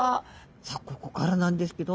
さあここからなんですけど。